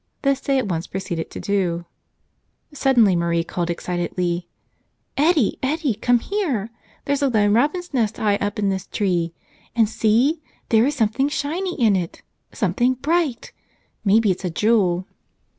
This they at once proceeded to do. Suddenly Marie called excitedly: "Eddie, Eddie! come here. There's a lone robin's nest high up in this tree. And see ! there is something shiny in it, something bright; maybe it's a jewel."